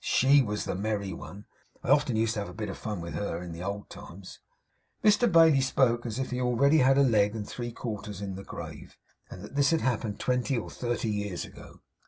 SHE was the merry one. I often used to have a bit of fun with her, in the hold times!' Mr Bailey spoke as if he already had a leg and three quarters in the grave, and this had happened twenty or thirty years ago.